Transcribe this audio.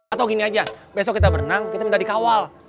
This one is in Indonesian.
atau gini aja besok kita berenang kita minta dikawal